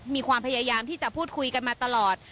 มีความพยายามที่จะพูดคุยกันมาตลอด